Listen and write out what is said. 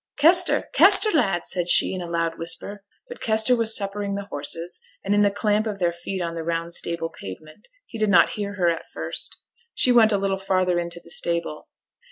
'Kester, Kester, lad!' said she, in a loud whisper; but Kester was suppering the horses, and in the clamp of their feet on the round stable pavement, he did not hear her at first. She went a little farther into the stable.